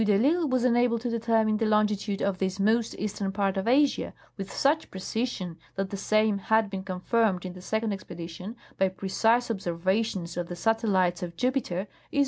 de risle was enabled to determine the longitude of this most eastern part of Asia, with such precision that the same had been confirmed in the second expedition, by precise observations of the satellites of Jupi ter is what I cannot well conceive.